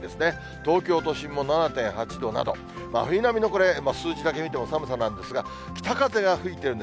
東京都心も７．８度など、真冬並みのこれ、数字だけ見ても寒さなんですが、北風が吹いてるんで、